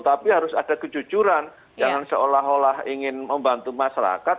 tapi harus ada kejujuran jangan seolah olah ingin membantu masyarakat